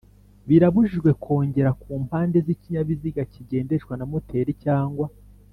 Birabujijwe kwongera ku mpande z ikinyabiziga kigendeshwa na moteri cyangwa